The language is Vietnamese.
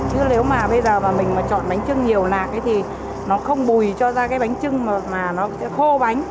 chứ nếu mà bây giờ mình mà chọn bánh trưng nhiều lạc ấy thì nó không bùi cho ra cái bánh trưng mà nó sẽ khô bánh